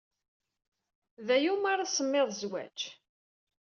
D aya umi ara tsemmid zzwaj?